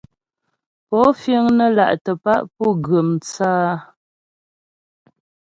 Pó fíŋ nə́ là'tə̀ pá' pú gʉ́m tsə́ a ?